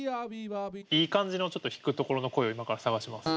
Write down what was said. いい感じのちょっと弾くところの声を今から探します。